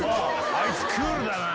あいつクールだな。